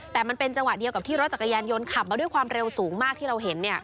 แต่มันเป็นจังหวะเดียวกับที่รถจักรยานยนต์ขับมาด้วยความเร็วสูงมากที่เราเห็น